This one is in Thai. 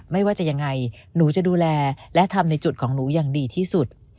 ไม่ว่าจะยังไงหนูจะดูแลและทำในจุดของหนูอย่างดีที่สุด